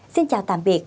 xin chào tạm biệt